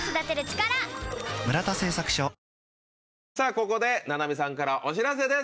ここで菜波さんからお知らせです。